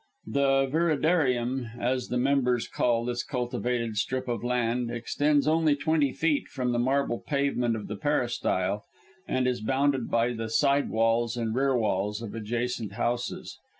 The viridarium, as the members call this cultivated strip of land, extends only twenty feet from the marble pavement of the peristyle, and is bounded by the side walls and rear walls of adjacent houses.